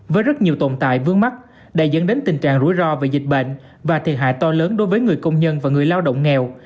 với rất nhiều tồn tại vướng mắc đã dẫn đến tình trạng rủi ro về dịch bệnh và thiệt hại to lớn đối với người công nhân và người lao động nghèo